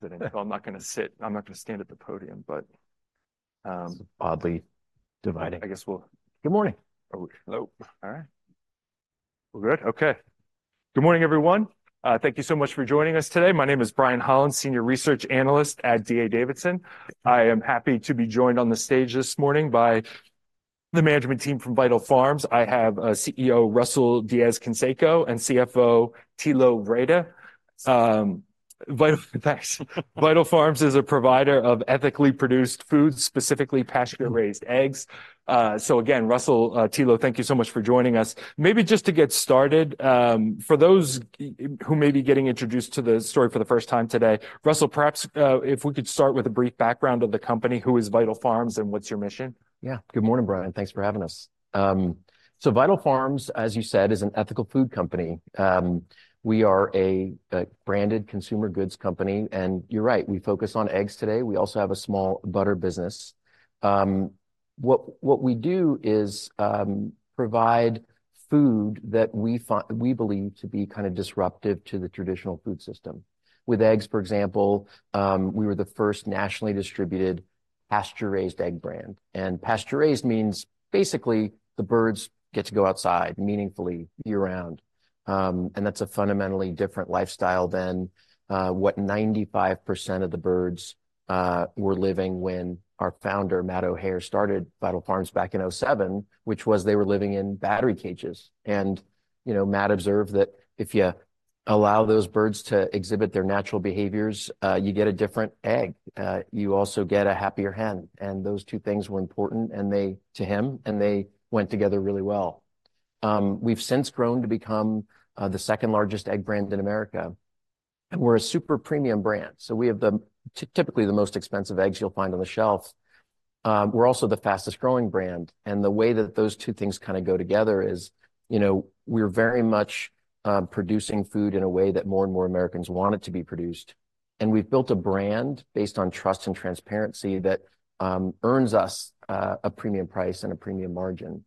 Good. Well, I'm not gonna stand at the podium, but. This is oddly dividing. I guess we'll- Good morning! Oh, hello. All right. We're good? Okay. Good morning, everyone. Thank you so much for joining us today. My name is Brian Holland, senior research analyst at D.A. Davidson. I am happy to be joined on the stage this morning by the management team from Vital Farms. I have CEO Russell Diez-Canseco and CFO Thilo Wrede. Vital Farms is a provider of ethically produced foods, specifically pasture-raised eggs. So again, Russell, Thilo, thank you so much for joining us. Maybe just to get started, for those who may be getting introduced to the story for the first time today, Russell, perhaps, if we could start with a brief background of the company. Who is Vital Farms, and what's your mission? Yeah. Good morning, Brian, thanks for having us. So Vital Farms, as you said, is an ethical food company. We are a branded consumer goods company, and you're right, we focus on eggs today. We also have a small butter business. What we do is provide food that we believe to be kind of disruptive to the traditional food system. With eggs, for example, we were the first nationally distributed pasture-raised egg brand, and pasture-raised means basically, the birds get to go outside meaningfully year-round. And that's a fundamentally different lifestyle than what 95% of the birds were living when our founder, Matt O'Hayer, started Vital Farms back in 2007, which was they were living in battery cages. You know, Matt observed that if you allow those birds to exhibit their natural behaviors, you get a different egg. You also get a happier hen, and those two things were important to him, and they went together really well. We've since grown to become the second largest egg brand in America, and we're a super premium brand, so we have typically the most expensive eggs you'll find on the shelf. We're also the fastest growing brand, and the way that those two things kinda go together is, you know, we're very much producing food in a way that more and more Americans want it to be produced. We've built a brand based on trust and transparency that earns us a premium price and a premium margin.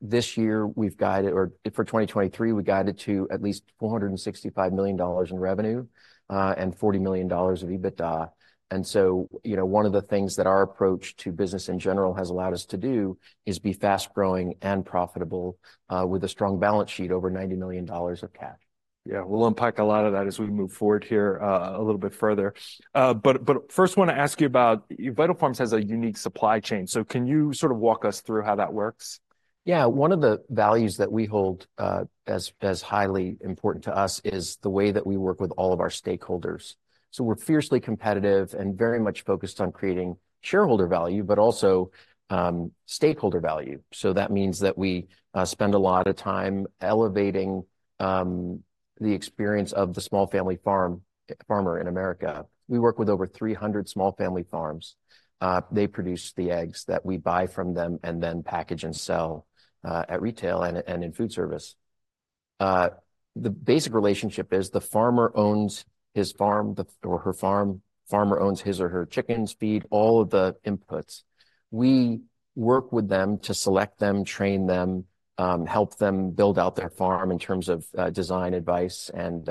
This year, we've guided... or for 2023, we guided to at least $465 million in revenue, and $40 million of EBITDA. And so, you know, one of the things that our approach to business in general has allowed us to do is be fast-growing and profitable, with a strong balance sheet, over $90 million of cash. Yeah, we'll unpack a lot of that as we move forward here, a little bit further. But first I wanna ask you about, Vital Farms has a unique supply chain, so can you sort of walk us through how that works? Yeah. One of the values that we hold as highly important to us is the way that we work with all of our stakeholders. So we're fiercely competitive and very much focused on creating shareholder value, but also stakeholder value. So that means that we spend a lot of time elevating the experience of the small family farmer in America. We work with over 300 small family farms. They produce the eggs that we buy from them, and then package and sell at retail and in food service. The basic relationship is the farmer owns his farm or her farm. The farmer owns his or her chickens, feed, all of the inputs. We work with them to select them, train them, help them build out their farm in terms of design advice and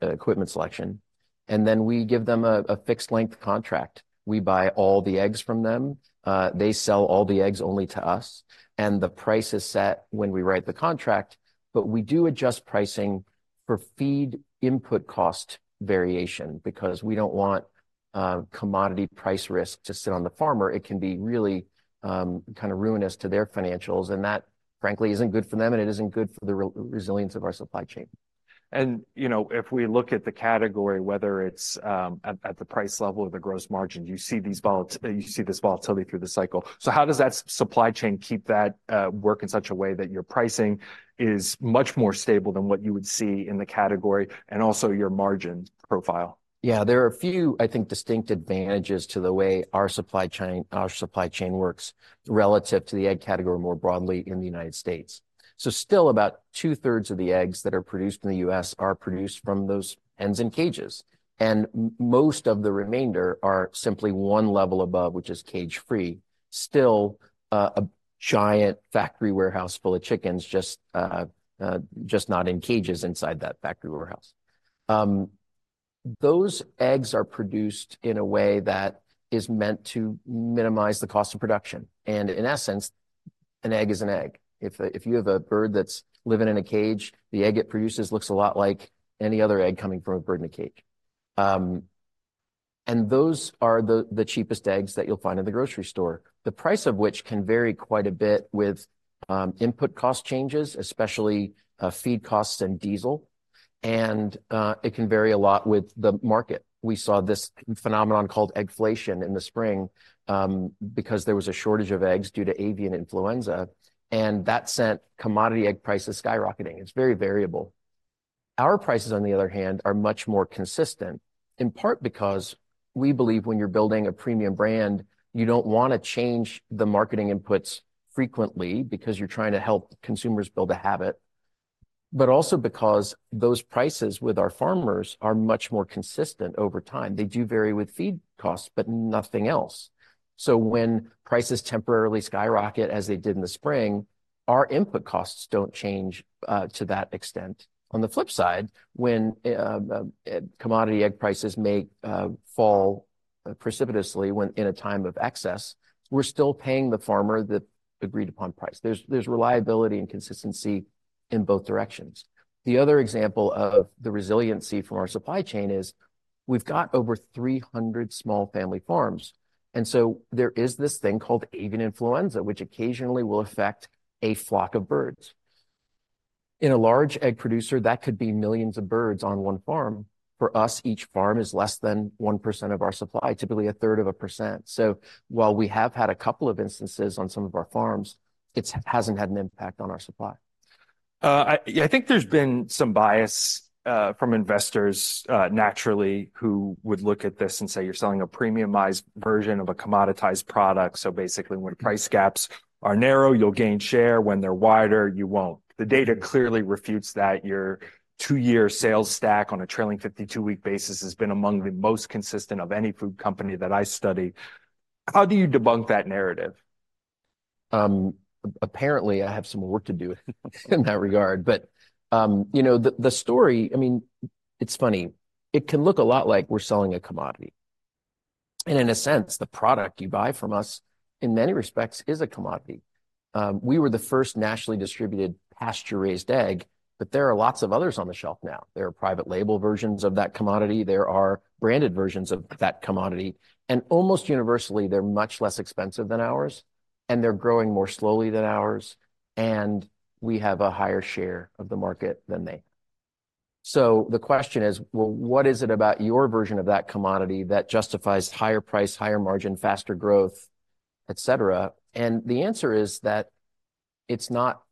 equipment selection, and then we give them a fixed-length contract. We buy all the eggs from them. They sell all the eggs only to us, and the price is set when we write the contract, but we do adjust pricing for feed input cost variation, because we don't want commodity price risk to sit on the farmer. It can be really kind of ruinous to their financials, and that, frankly, isn't good for them, and it isn't good for the resilience of our supply chain. You know, if we look at the category, whether it's at the price level or the gross margin, you see this volatility through the cycle. So how does that supply chain keep that work in such a way that your pricing is much more stable than what you would see in the category, and also your margin profile? Yeah, there are a few, I think, distinct advantages to the way our supply chain, our supply chain works relative to the egg category more broadly in the United States. So still, about two-thirds of the eggs that are produced in the U.S. are produced from those hens in cages, and most of the remainder are simply one level above, which is cage-free. Still, a giant factory warehouse full of chickens, just, just not in cages inside that factory warehouse. Those eggs are produced in a way that is meant to minimize the cost of production, and in essence, an egg is an egg. If, if you have a bird that's living in a cage, the egg it produces looks a lot like any other egg coming from a bird in a cage. And those are the cheapest eggs that you'll find in the grocery store, the price of which can vary quite a bit with input cost changes, especially feed costs and diesel, and it can vary a lot with the market. We saw this phenomenon called eggflation in the spring because there was a shortage of eggs due to Avian Influenza, and that sent commodity egg prices skyrocketing. It's very variable. Our prices, on the other hand, are much more consistent, in part because we believe when you're building a premium brand, you don't wanna change the marketing inputs frequently, because you're trying to help consumers build a habit.... but also because those prices with our farmers are much more consistent over time. They do vary with feed costs, but nothing else. So when prices temporarily skyrocket, as they did in the spring, our input costs don't change to that extent. On the flip side, when commodity egg prices may fall precipitously when in a time of excess, we're still paying the farmer the agreed-upon price. There's reliability and consistency in both directions. The other example of the resiliency from our supply chain is we've got over 300 small family farms, and so there is this thing called avian influenza, which occasionally will affect a flock of birds. In a large egg producer, that could be millions of birds on one farm. For us, each farm is less than 1% of our supply, typically a third of a percent. So while we have had a couple of instances on some of our farms, it's hasn't had an impact on our supply. Yeah, I think there's been some bias from investors, naturally, who would look at this and say, "You're selling a premiumized version of a commoditized product," so basically when price gaps are narrow, you'll gain share. When they're wider, you won't. The data clearly refutes that your two-year sales stack on a trailing 52-week basis has been among the most consistent of any food company that I study. How do you debunk that narrative? Apparently, I have some work to do in that regard. But, you know, the story... I mean, it's funny, it can look a lot like we're selling a commodity, and in a sense, the product you buy from us, in many respects is a commodity. We were the first nationally distributed pasture-raised egg, but there are lots of others on the shelf now. There are private label versions of that commodity, there are branded versions of that commodity, and almost universally, they're much less expensive than ours, and they're growing more slowly than ours, and we have a higher share of the market than they. So the question is, well, what is it about your version of that commodity that justifies higher price, higher margin, faster growth, et cetera? And the answer is that it's not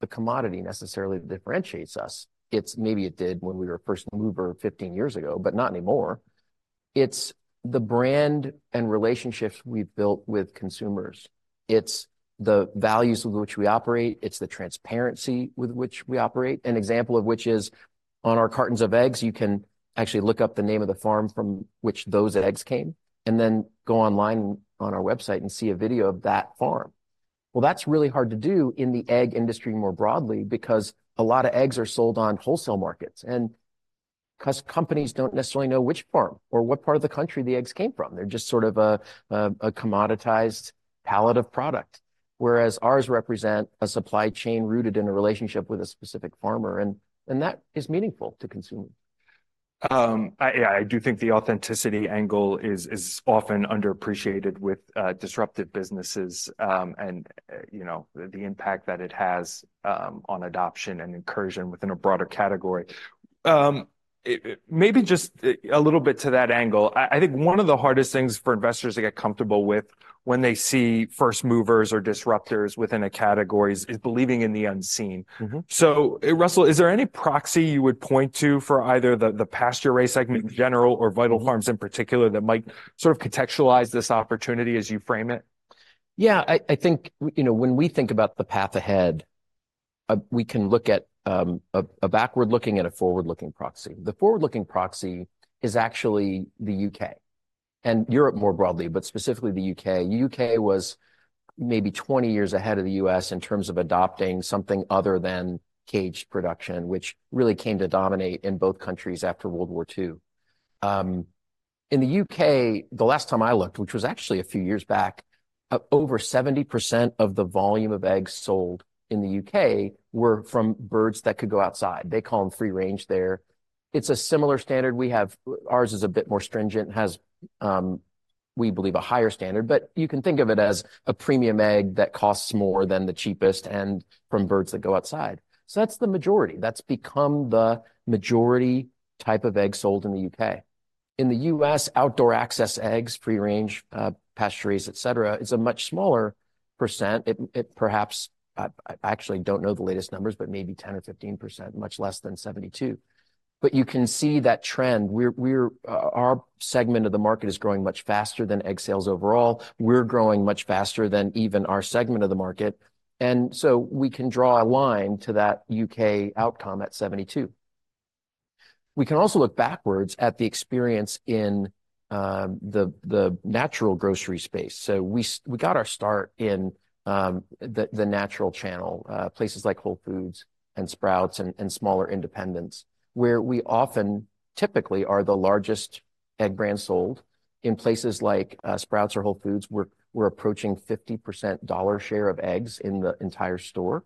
the commodity necessarily that differentiates us. It's maybe it did when we were a first mover 15 years ago, but not anymore. It's the brand and relationships we've built with consumers. It's the values with which we operate, it's the transparency with which we operate. An example of which is, on our cartons of eggs, you can actually look up the name of the farm from which those eggs came, and then go online on our website and see a video of that farm. Well, that's really hard to do in the egg industry more broadly, because a lot of eggs are sold on wholesale markets, and 'cause companies don't necessarily know which farm or what part of the country the eggs came from. They're just sort of a commoditized pallet of product, whereas ours represent a supply chain rooted in a relationship with a specific farmer, and that is meaningful to consumers. I do think the authenticity angle is often underappreciated with disruptive businesses, and, you know, the impact that it has on adoption and incursion within a broader category. Maybe just a little bit to that angle, I think one of the hardest things for investors to get comfortable with when they see first movers or disruptors within a category is believing in the unseen. Mm-hmm. So Russell, is there any proxy you would point to for either the pasture-raised segment in general or Vital Farms in particular, that might sort of contextualize this opportunity as you frame it? Yeah, I think, you know, when we think about the path ahead, we can look at a backward-looking and a forward-looking proxy. The forward-looking proxy is actually the U.K., and Europe more broadly, but specifically the U.K. U.K. was maybe 20 years ahead of the U.S. in terms of adopting something other than caged production, which really came to dominate in both countries after World War II. In the U.K., the last time I looked, which was actually a few years back, over 70% of the volume of eggs sold in the U.K. were from birds that could go outside. They call them free-range there. It's a similar standard we have. Ours is a bit more stringent, has, we believe, a higher standard, but you can think of it as a premium egg that costs more than the cheapest, and from birds that go outside. So that's the majority. That's become the majority type of egg sold in the U.K. In the U.S., outdoor access eggs, free-range, pasture-raised, et cetera, is a much smaller percent. It perhaps... I actually don't know the latest numbers, but maybe 10%-15%, much less than 72%. But you can see that trend. We're, our segment of the market is growing much faster than egg sales overall. We're growing much faster than even our segment of the market, and so we can draw a line to that U.K. outcome at 72%. We can also look backwards at the experience in, the, the natural grocery space. So we got our start in the natural channel places like Whole Foods and Sprouts and smaller independents, where we often typically are the largest egg brand sold. In places like Sprouts or Whole Foods, we're approaching 50% dollar share of eggs in the entire store.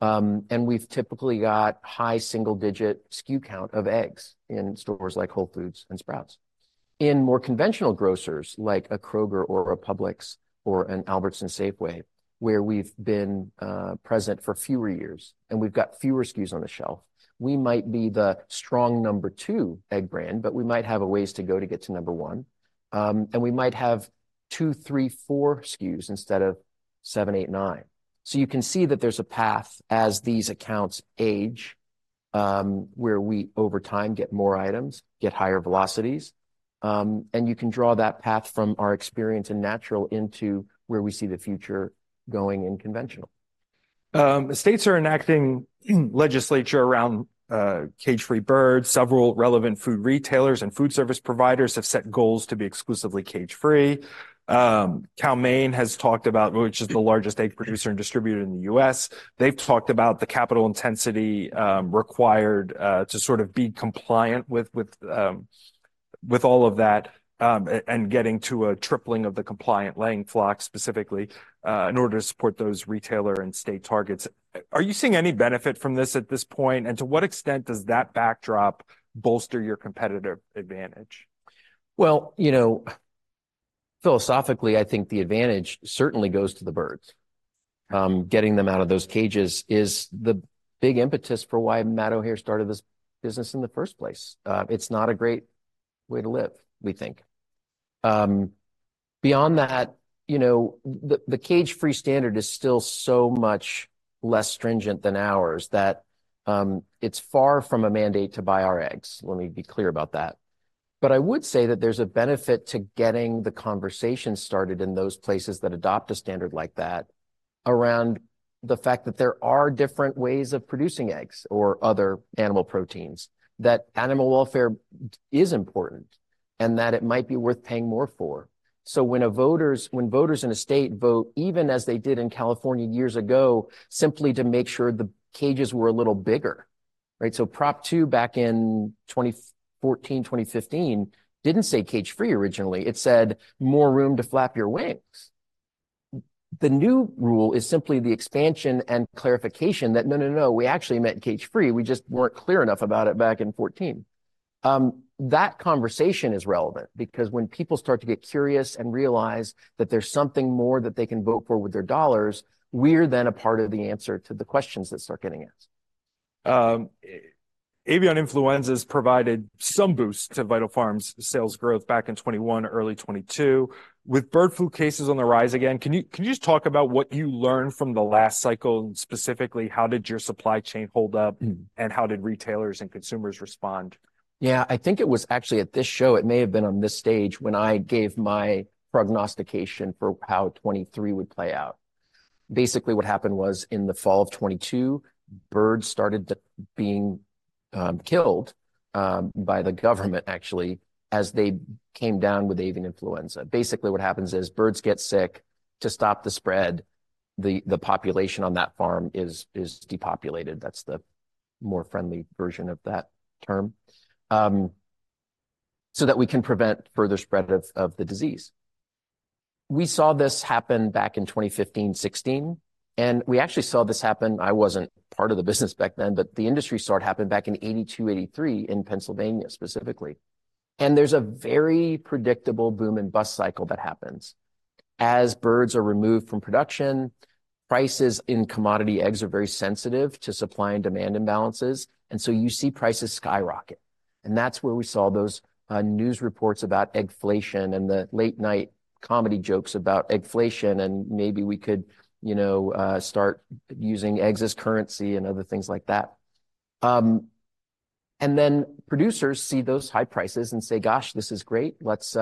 And we've typically got high single-digit SKU count of eggs in stores like Whole Foods and Sprouts. In more conventional grocers, like a Kroger or a Publix or an Albertsons, Safeway, where we've been present for fewer years and we've got fewer SKUs on the shelf, we might be the strong number 2 egg brand, but we might have a ways to go to get to number 1. And we might have 2, 3, 4 SKUs instead of 7, 8, 9. So you can see that there's a path as these accounts age, where we, over time, get more items, get higher velocities, and you can draw that path from our experience in natural into where we see the future going in conventional. States are enacting legislation around cage-free birds. Several relevant food retailers and food service providers have set goals to be exclusively cage-free. Cal-Maine has talked about, which is the largest egg producer and distributor in the U.S., they've talked about the capital intensity required to sort of be compliant with all of that and getting to a tripling of the compliant laying flock specifically in order to support those retailer and state targets. Are you seeing any benefit from this at this point? And to what extent does that backdrop bolster your competitive advantage? Well, you know, philosophically, I think the advantage certainly goes to the birds. Getting them out of those cages is the big impetus for why Matt O'Hayer started this business in the first place. It's not a great way to live, we think. Beyond that, you know, the cage-free standard is still so much less stringent than ours, that it's far from a mandate to buy our eggs. Let me be clear about that. But I would say that there's a benefit to getting the conversation started in those places that adopt a standard like that, around the fact that there are different ways of producing eggs or other animal proteins, that animal welfare is important, and that it might be worth paying more for. So when voters in a state vote, even as they did in California years ago, simply to make sure the cages were a little bigger, right? So Prop 2, back in 2014, 2015, didn't say cage-free originally, it said: "More room to flap your wings." The new rule is simply the expansion and clarification that, "No, no, no, we actually meant cage-free, we just weren't clear enough about it back in 2014." That conversation is relevant because when people start to get curious and realize that there's something more that they can vote for with their dollars, we're then a part of the answer to the questions that start getting asked. Avian influenzas provided some boost to Vital Farms' sales growth back in 2021, early 2022. With bird flu cases on the rise again, can you just talk about what you learned from the last cycle? Specifically, how did your supply chain hold up? Mm. And how did retailers and consumers respond? Yeah, I think it was actually at this show. It may have been on this stage, when I gave my prognostication for how 2023 would play out. Basically, what happened was, in the fall of 2022, birds started to be killed by the government, actually, as they came down with avian influenza. Basically, what happens is, birds get sick. To stop the spread, the population on that farm is depopulated. That's the more friendly version of that term. So that we can prevent further spread of the disease. We saw this happen back in 2015, 2016, and we actually saw this happen. I wasn't part of the business back then, but the industry saw it happen back in 1982, 1983 in Pennsylvania, specifically. And there's a very predictable boom and bust cycle that happens. As birds are removed from production, prices in commodity eggs are very sensitive to supply and demand imbalances, and so you see prices skyrocket. And that's where we saw those news reports about eggflation and the late-night comedy jokes about eggflation, and maybe we could, you know, start using eggs as currency and other things like that. And then producers see those high prices and say, "Gosh, this is great. Let's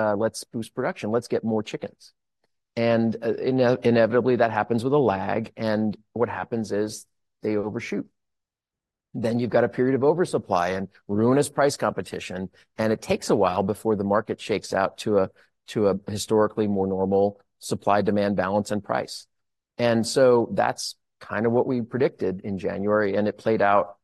boost production. Let's get more chickens." And inevitably, that happens with a lag, and what happens is they overshoot. Then you've got a period of oversupply and ruinous price competition, and it takes a while before the market shakes out to a historically more normal supply-demand balance and price. And so that's kind of what we predicted in January, and it played out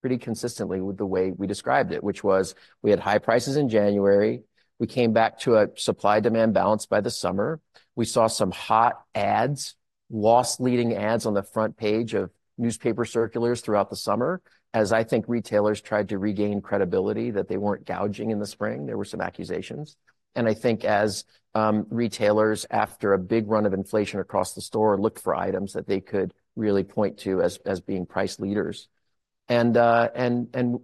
pretty consistently with the way we described it, which was: we had high prices in January, we came back to a supply-demand balance by the summer. We saw some hot ads, loss-leading ads on the front page of newspaper circulars throughout the summer, as I think retailers tried to regain credibility that they weren't gouging in the spring. There were some accusations. And I think as retailers, after a big run of inflation across the store, looked for items that they could really point to as being price leaders. And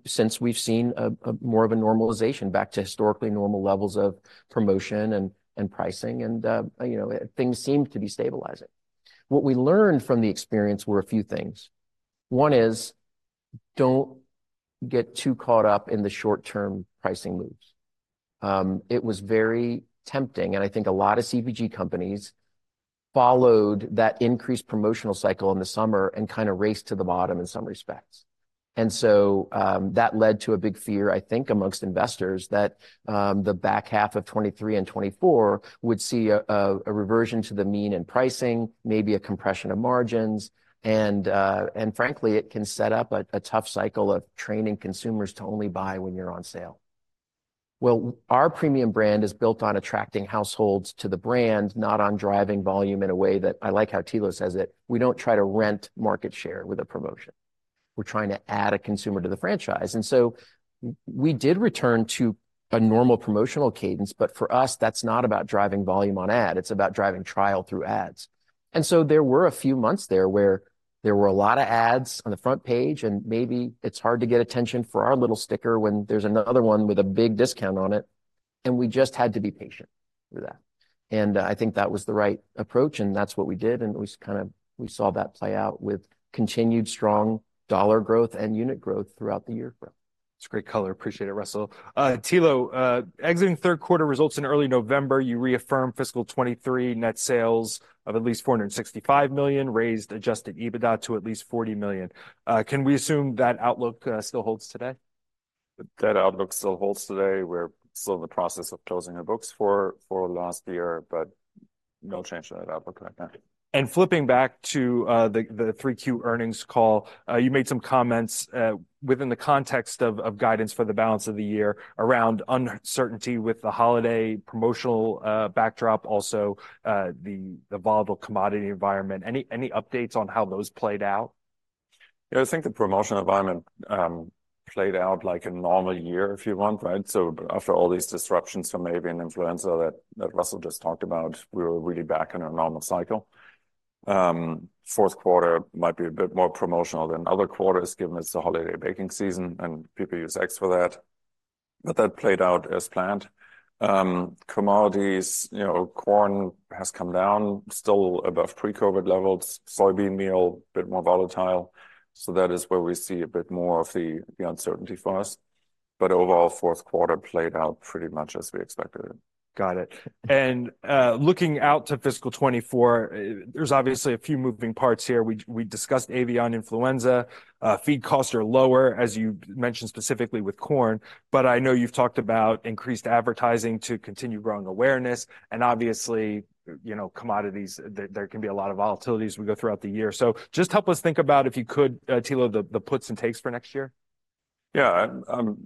since, we've seen a more of a normalization back to historically normal levels of promotion and pricing, and, you know, things seem to be stabilizing. What we learned from the experience were a few things. One is, don't get too caught up in the short-term pricing moves. It was very tempting, and I think a lot of CPG companies followed that increased promotional cycle in the summer and kinda raced to the bottom in some respects. And so, that led to a big fear, I think, amongst investors, that, the back half of 2023 and 2024 would see a reversion to the mean in pricing, maybe a compression of margins, and frankly, it can set up a tough cycle of training consumers to only buy when you're on sale. Well, our premium brand is built on attracting households to the brand, not on driving volume in a way that... I like how Thilo says it: "We don't try to rent market share with a promotion. We're trying to add a consumer to the franchise." And so we did return to a normal promotional cadence, but for us, that's not about driving volume on eggs, it's about driving trial through ads. And so there were a few months there where there were a lot of ads on the front page, and maybe it's hard to get attention for our little sticker when there's another one with a big discount on it, and we just had to be patient with that... and, I think that was the right approach, and that's what we did, and we kind of, we saw that play out with continued strong dollar growth and unit growth throughout the year. That's a great color. Appreciate it, Russell. Thilo, exiting third quarter results in early November, you reaffirmed fiscal 2023 net sales of at least $465 million, raised adjusted EBITDA to at least $40 million. Can we assume that outlook still holds today? That outlook still holds today. We're still in the process of closing the books for last year, but no change to that outlook right now. Flipping back to the 3Q earnings call, you made some comments within the context of guidance for the balance of the year around uncertainty with the holiday promotional backdrop, also the volatile commodity environment. Any updates on how those played out? Yeah, I think the promotional environment played out like a normal year, if you want, right? After all these disruptions from avian influenza that Russell just talked about, we were really back in a normal cycle. Fourth quarter might be a bit more promotional than other quarters, given it's the holiday baking season, and people use eggs for that. But that played out as planned. Commodities, you know, corn has come down, still above pre-COVID levels, soybean meal, a bit more volatile. That is where we see a bit more of the uncertainty for us. But overall, fourth quarter played out pretty much as we expected it. Got it. And, looking out to fiscal 2024, there's obviously a few moving parts here. We discussed avian influenza. Feed costs are lower, as you mentioned specifically with corn, but I know you've talked about increased advertising to continue growing awareness and obviously, you know, commodities, there can be a lot of volatility as we go throughout the year. So just help us think about, if you could, Thilo, the puts and takes for next year. Yeah, I'm,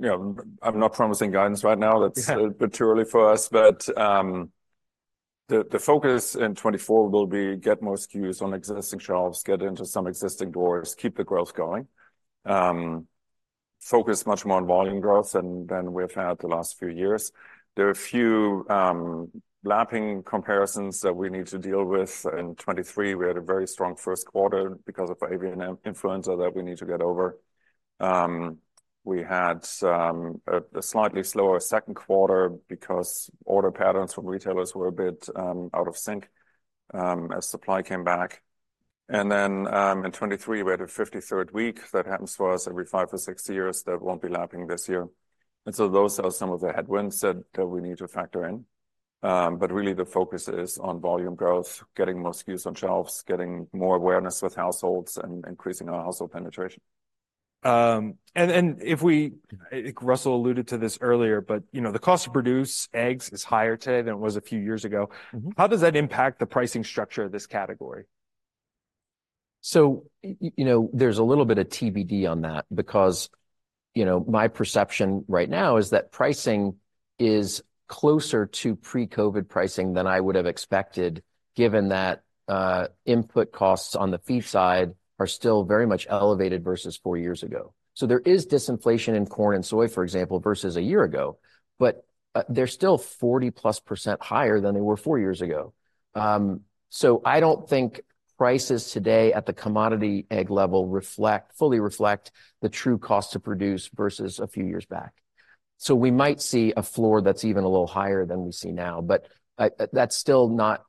you know, I'm not promising guidance right now—that's a bit too early for us. But the focus in 2024 will be get more SKUs on existing shelves, get into some existing doors, keep the growth going. Focus much more on volume growth than we've had the last few years. There are a few lapping comparisons that we need to deal with. In 2023, we had a very strong first quarter because of avian influenza that we need to get over. We had a slightly slower second quarter because order patterns from retailers were a bit out of sync as supply came back. And then, in 2023, we had a 53rd week. That happens for us every five or six years. That won't be lapping this year. Those are some of the headwinds that we need to factor in. But really, the focus is on volume growth, getting more SKUs on shelves, getting more awareness with households, and increasing our household penetration. I think Russell alluded to this earlier, but you know, the cost to produce eggs is higher today than it was a few years ago. Mm-hmm. How does that impact the pricing structure of this category? So, you know, there's a little bit of TBD on that because, you know, my perception right now is that pricing is closer to pre-COVID pricing than I would have expected, given that, input costs on the feed side are still very much elevated versus four years ago. So there is disinflation in corn and soy, for example, versus a year ago, but, they're still 40+% higher than they were four years ago. So I don't think prices today at the commodity egg level fully reflect the true cost to produce versus a few years back. So we might see a floor that's even a little higher than we see now, but, that's still not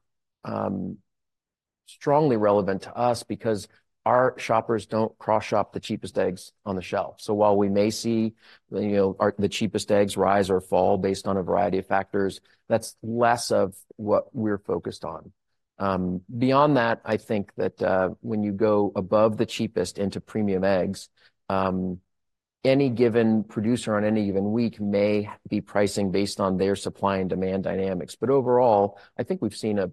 strongly relevant to us because our shoppers don't cross-shop the cheapest eggs on the shelf. So while we may see, you know, our, the cheapest eggs rise or fall based on a variety of factors, that's less of what we're focused on. Beyond that, I think that, when you go above the cheapest into premium eggs, any given producer on any given week may be pricing based on their supply and demand dynamics. But overall, I think we've seen a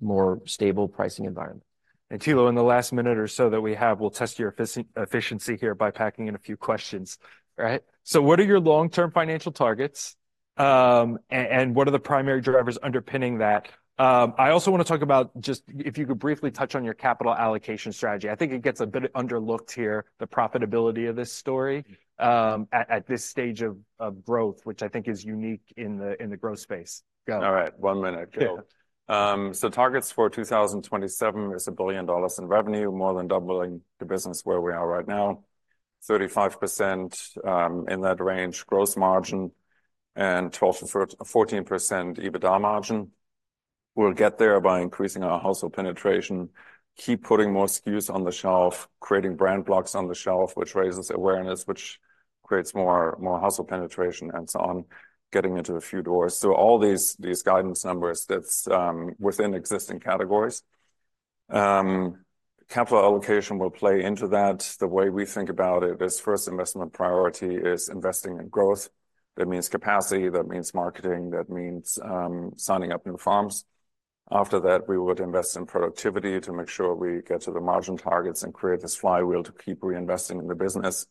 more stable pricing environment. Thilo, in the last minute or so that we have, we'll test your efficiency here by packing in a few questions, right? So what are your long-term financial targets, and what are the primary drivers underpinning that? I also want to talk about just... if you could briefly touch on your capital allocation strategy. I think it gets a bit underlooked here, the profitability of this story, at this stage of growth, which I think is unique in the growth space. Go. All right, one minute. Yeah. So targets for 2027 is $1 billion in revenue, more than doubling the business where we are right now. 35%, in that range, gross margin, and 12%-14% EBITDA margin. We'll get there by increasing our household penetration, keep putting more SKUs on the shelf, creating brand blocks on the shelf, which raises awareness, which creates more, more household penetration, and so on, getting into a few doors. So all these, these guidance numbers, that's within existing categories. Capital allocation will play into that. The way we think about it is, first investment priority is investing in growth. That means capacity, that means marketing, that means signing up new farms. After that, we would invest in productivity to make sure we get to the margin targets and create this flywheel to keep reinvesting in the business.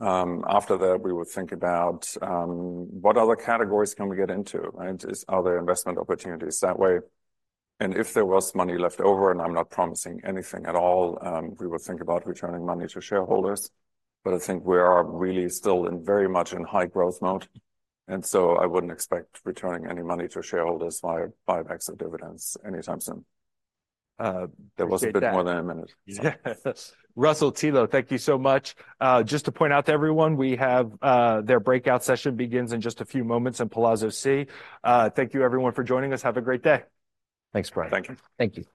After that, we would think about what other categories can we get into, right? It's other investment opportunities that way. And if there was money left over, and I'm not promising anything at all, we would think about returning money to shareholders. But I think we are really still very much in high growth mode, and so I wouldn't expect returning any money to shareholders via buybacks or dividends anytime soon. Appreciate that. That was a bit more than a minute. Yeah. Russell, Thilo, thank you so much. Just to point out to everyone, we have their breakout session begins in just a few moments in Palazzo C. Thank you, everyone, for joining us. Have a great day. Thanks, Brian. Thank you. Thank you.